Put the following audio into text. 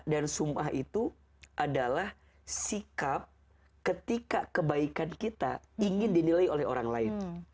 dan sum'ah itu adalah sikap ketika kebaikan kita ingin dinilai oleh orang lain